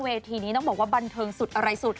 นี้ต้องบอกว่าบันเทิงสุดอะไรสุด